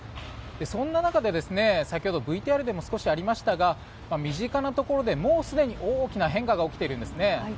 そんな中で、先ほどＶＴＲでも少しありましたが身近なところでもうすでに大きな変化が起きているんですね。